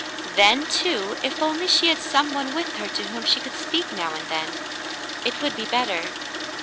Then, too, if only she had some one with her to whom she could speak now and then, it would be better.